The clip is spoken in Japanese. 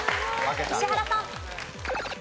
石原さん。